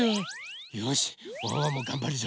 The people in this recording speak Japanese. よしワンワンもがんばるぞ。